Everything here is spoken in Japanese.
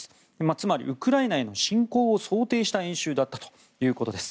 つまり、ウクライナへの侵攻を想定した演習だったということです。